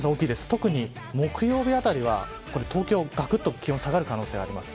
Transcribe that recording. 特に木曜日あたりは東京は気温が下がる可能性があります。